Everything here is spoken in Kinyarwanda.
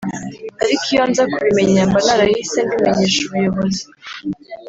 ariko iyo nza kubimenya mba narahise mbimenyesha ubuyobozi